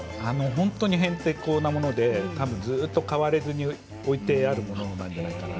本当に、へんてこなものでずっと変わらずに置いてあるものなんじゃないかな